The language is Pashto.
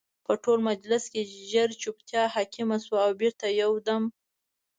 په ټول مجلس کې ژر جوپتیا حاکمه شوه او بېرته یو دم